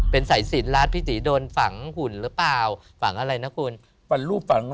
เป็นสายสินรัดพี่ตีโดนฝังหุ่นหรือเปล่าฝังอะไรนะคุณฝันรูปฝัง